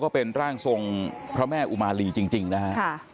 เป็นร่างทรงพระแม่อุมาลีจริงนะฮะ